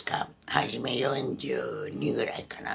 初め４２ぐらいかな。